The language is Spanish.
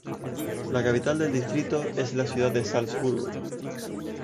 La capital del distrito es la ciudad de Salzburgo.